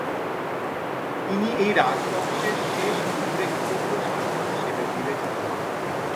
তিনি এই রাজবংশের শেষ উল্লেখযোগ্য শাসক হিসেবে বিবেচিত হন।